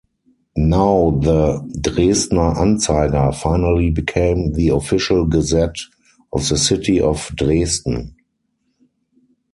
Now the "Dresdner Anzeiger" finally became the official gazette of the city of Dresden.